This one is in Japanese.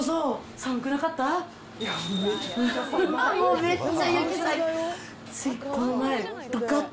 寒くなかった？